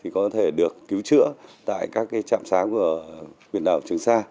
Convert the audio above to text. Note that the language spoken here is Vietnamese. có thể được cứu chữa tại các trạm sáng của huyện đảo trường sa